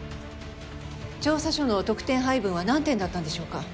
調査書の得点配分は何点だったんでしょうか？